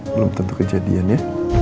belum tentu kejadian ya